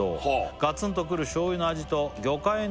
「ガツンとくる醤油の味と魚介の風味が」